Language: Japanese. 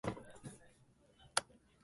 坊主が上手に屏風に坊主の絵を描いた